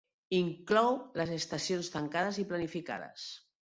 Inclou les estacions tancades i planificades.